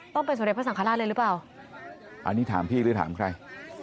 ต้องเป็นสมเด็จพระสังฆราชเลยหรือเปล่าอันนี้ถามพี่หรือถามใคร